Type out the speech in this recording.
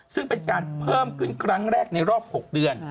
ซึ่งเป็นการเพิ่มขึ้นครั้งแรกในรอบ๖เดือน